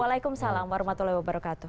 waalaikumsalam warahmatullahi wabarakatuh